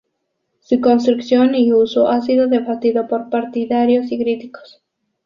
Su construcción y uso ha sido debatido por partidarios y críticos.